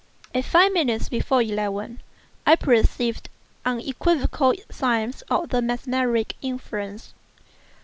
At five minutes before eleven I perceived unequivocal signs of the mesmeric influence.